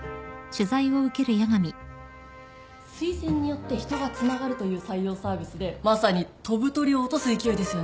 推薦によって人がつながるという採用サービスでまさに飛ぶ鳥を落とす勢いですよね